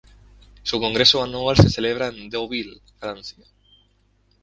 Su congreso anual se celebra en Deauville, Francia.